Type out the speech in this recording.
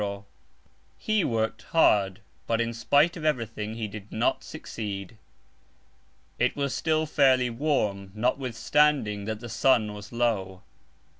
40. He worked hard, but in spite of everything he did not succeed. It was still fairly warm, notwithstanding that the sun was low.